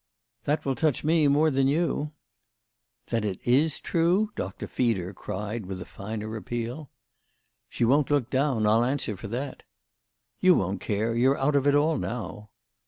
"That will touch me more than you." "Then it is true?" Doctor Feeder cried with a finer appeal. "She won't look down. I'll answer for that." "You won't care. You're out of it all now."